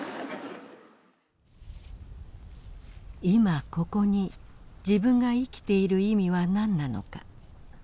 いまここに自分が生きている意味は何なのか。